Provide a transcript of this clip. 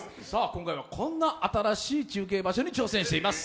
今回はこんな新しい中継場所に挑戦しています。